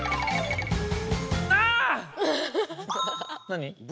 何？